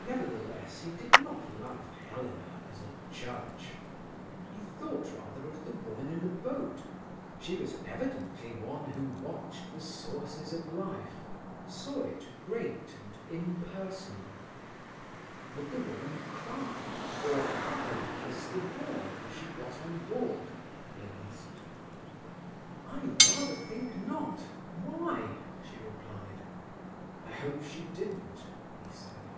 Nevertheless, he did not love Helena as a judge. He thought rather of the woman in the boat. She was evidently one who watched the sources of life, saw it great and impersonal. "Would the woman cry, or hug and kiss the boy when she got on board?" he asked. "I rather think not. Why?" she replied. "I hope she didn't," he said.